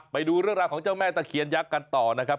ไปดูเรื่องราวของเจ้าแม่ตะเคียนยักษ์กันต่อนะครับ